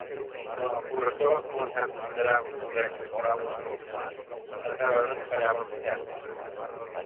Quan el corrector va començar a considerar correctes paraules com “mà”, es va veure que fallava amb “cel·la”.